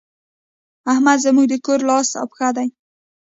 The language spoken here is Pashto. احمد زموږ د کور لاس او پښه دی.